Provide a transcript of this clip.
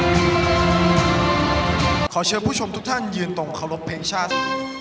สวัสดีครับขอเชื่อผู้ชมทุกท่านยืนตรงขอรบเพลงชาติ